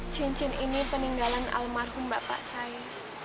cincin ini peninggalan almarhum bapak saya